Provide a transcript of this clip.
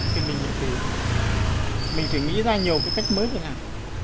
thì mình phải nghĩ ra nhiều cái cách mới đi nào